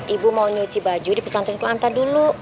ibu mau nyuci baju di pesantrenku nanta dulu